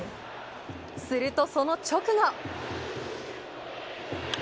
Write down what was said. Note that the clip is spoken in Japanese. すると、その直後。